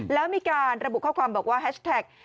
แล้วมีการระบุข้อความบอกว่าแฮชแท็ก